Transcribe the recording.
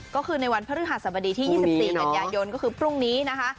ก็คือในวันพฤหัสบดีที่๒๔กันยายนก็คือพรุ่งนี้นะคะ